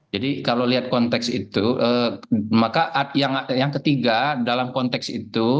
jadi kalau lihat konteks itu maka yang ketiga dalam konteks itu